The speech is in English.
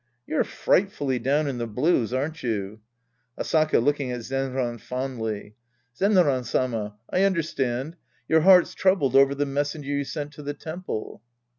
You're frightfully down in the blues, aren't you ? Asaka {looking at Zebra's fondly). Zenran Sama. I understand. Your heart's troubled over the mes senger you sent to the temple.